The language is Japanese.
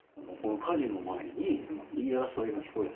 火事の前に、言い争いが聞こえた。